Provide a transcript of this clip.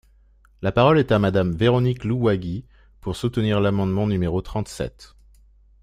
La parole est à Madame Véronique Louwagie, pour soutenir l’amendement numéro trente-sept.